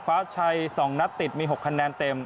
ฟ้าชัย๒นัดติดมี๖คะแนนเต็ม